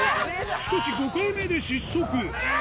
しかし５回目で失速。